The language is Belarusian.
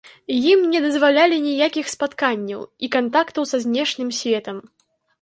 Ім не дазвалялі ніякіх спатканняў і кантактаў са знешнім светам.